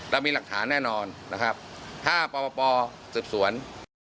แล้วมีหลักฐานแน่นอนนะครับ๕ปปสุดส่วน